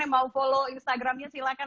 mau follow instagramnya silahkan